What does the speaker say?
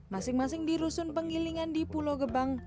masing masing di rusun penggilingan di pulau gebang